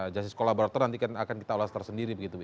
justice kolaborator nanti kan akan kita ulas tersendiri begitu